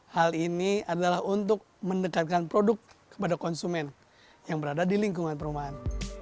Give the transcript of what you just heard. hal ini adalah untuk mendekatkan produk kepada konsumen yang berada di lingkungan perumahan